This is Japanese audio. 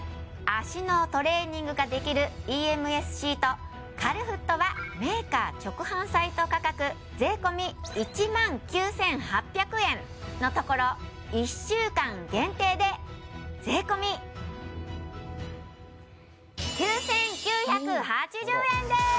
脚のトレーニングができるＥＭＳシートカルフットはメーカー直販サイト価格税込１万９８００円のところ１週間限定で税込９９８０円です！